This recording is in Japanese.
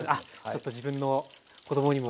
ちょっと自分の子どもにも。